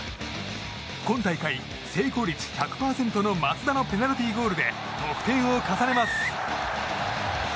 今大会、成功率１００％の松田のペナルティーゴールで得点を重ねます。